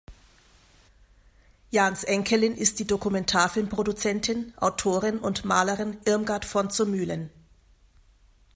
Jahns Enkelin ist die Dokumentarfilm-Produzentin, Autorin und Malerin Irmgard von zur Mühlen.